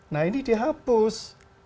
nah ini dihapus